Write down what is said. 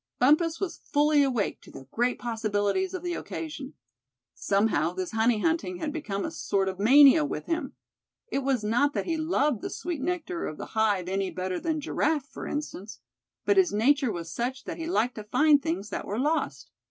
Bumpus was fully awake to the great possibilities of the occasion. Somehow this honey hunting had become a sort of mania with him. It was not that he loved the sweet nectar of the hive any better than Giraffe for instance; but his nature was such that he liked to find things that were lost.